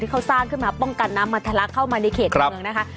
เขาสร้างขึ้นมาป้องกันน้ำมาทะลักเข้ามาในเขตเมืองนะคะ